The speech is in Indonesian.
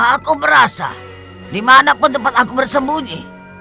aku merasa di mana pun tempat aku bersembunyi